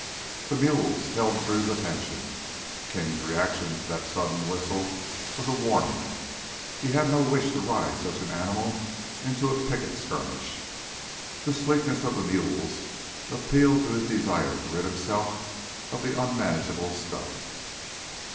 The mules held Drew's attention. King's reaction to that sudden whistle was a warning. He had no wish to ride such an animal into a picket skirmish. The sleekness of the mules appealed to his desire to rid himself of the unmanageable stud.